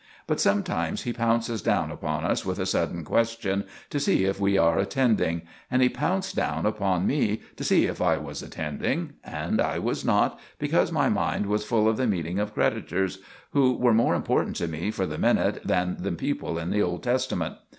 But sometimes he pounces down upon us with a sudden question, to see if we are attending; and he pounced down upon me, to see if I was attending, and I was not, because my mind was full of the meeting of creditors, who were more important to me for the minute than the people in the Old Testament.